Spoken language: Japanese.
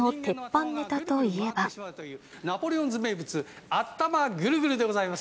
ナポレオンズ名物、あったまぐるぐるでございます。